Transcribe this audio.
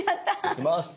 いきます。